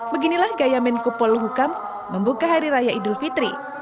beginilah gaya menko polhukam membuka hari raya idul fitri